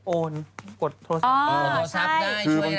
โอ้นกดโทรศัพท์ได้ช่วยได้